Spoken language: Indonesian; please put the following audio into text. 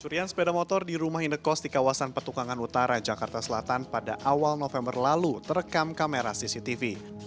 curian sepeda motor di rumah indekos di kawasan petukangan utara jakarta selatan pada awal november lalu terekam kamera cctv